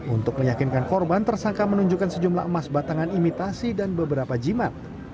untuk meyakinkan korban tersangka menunjukkan sejumlah emas batangan imitasi dan beberapa jimat